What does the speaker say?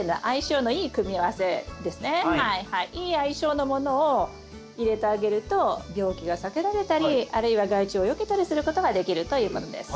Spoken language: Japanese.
いい相性のものを入れてあげると病気が避けられたりあるいは害虫をよけたりすることができるということです。